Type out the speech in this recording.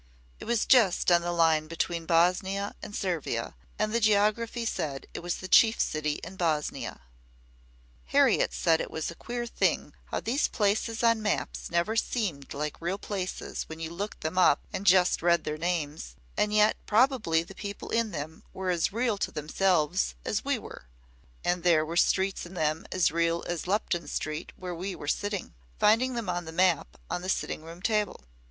It was just on the line between Bosnia and Servia and the geography said it was the chief city in Bosnia. Harriet said it was a queer thing how these places on maps never seemed like real places when you looked them up and just read their names and yet probably the people in them were as real to themselves as we were, and there were streets in them as real as Lupton Street where we were sitting, finding them on the map on the sitting room table.